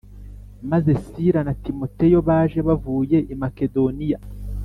Maze sila na timoteyo baje bavuye i makedoniya